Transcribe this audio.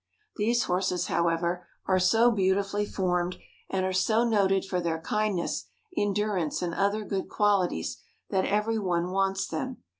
These horses, however, are so beautifully formed, and are so noted for their kindness, endurance, and other good qualities, that every one wants them.